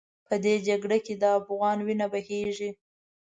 په دې جګړه کې د افغان وینه بهېږي.